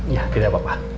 ya tidak apa apa